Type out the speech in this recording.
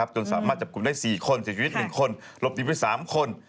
จนสามารถจับกลุ่มได้๔คนเสียชีวิต๑คนหลบหนีไป๓คน